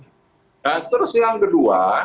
nah terus yang kedua